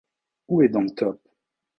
Où est donc Top ?..